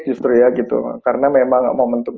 justru ya gitu karena memang momentum